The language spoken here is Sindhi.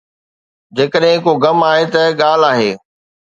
جيڪڏهن ڪو غم آهي ته ڳالهه آهي.